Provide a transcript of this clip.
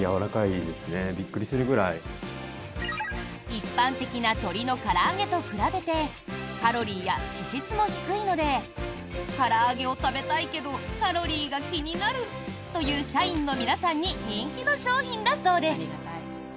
一般的な鶏のから揚げと比べてカロリーや脂質も低いのでから揚げを食べたいけどカロリーが気になるという社員の皆さんに人気の商品だそうです！